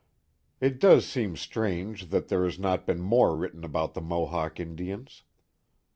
It does seem strange that there has not been more written about the Mohawk Indians.